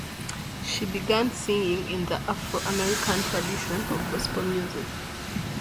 She began singing in the Afro American tradition of gospel music.